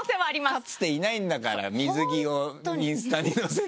かつていないんだから水着をインスタに載せる。